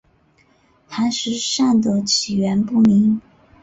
寒食散的起源不明。